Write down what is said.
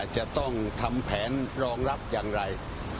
จะต้องทำแผนรองรับอย่างไร